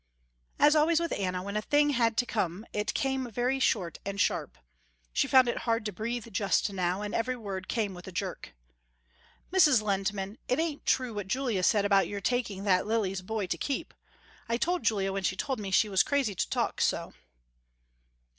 As always with Anna when a thing had to come it came very short and sharp. She found it hard to breathe just now, and every word came with a jerk. "Mrs. Lehntman, it ain't true what Julia said about your taking that Lily's boy to keep. I told Julia when she told me she was crazy to talk so."